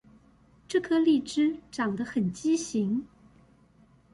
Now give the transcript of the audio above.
這顆荔枝長得很畸形